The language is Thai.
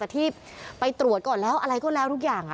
แต่ที่ไปตรวจก่อนแล้วอะไรก็แล้วทุกอย่าง